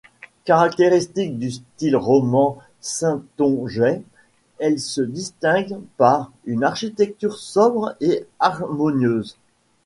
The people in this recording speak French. Caractéristique du style roman saintongeais, elle se distingue par une architecture sobre et harmonieuse.